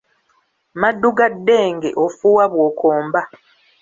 Maddu ga ddenge, ofuuwa bw’okomba